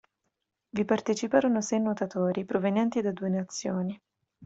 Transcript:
Vi parteciparono sei nuotatori, provenienti da due nazioni.